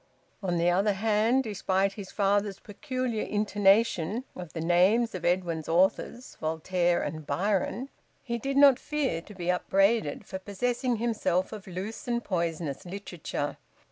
On the other hand, despite his father's peculiar intonation of the names of Edwin's authors Voltaire and Byron he did not fear to be upbraided for possessing himself of loose and poisonous literature.